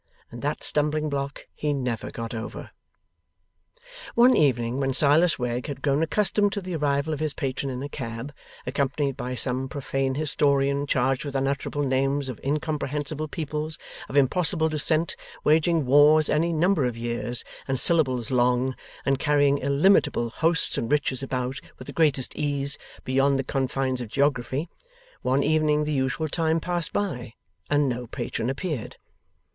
And that stumbling block he never got over. One evening, when Silas Wegg had grown accustomed to the arrival of his patron in a cab, accompanied by some profane historian charged with unutterable names of incomprehensible peoples, of impossible descent, waging wars any number of years and syllables long, and carrying illimitable hosts and riches about, with the greatest ease, beyond the confines of geography one evening the usual time passed by, and no patron appeared.